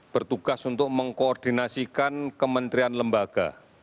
bertugas untuk mengkoordinasikan kementerian lembaga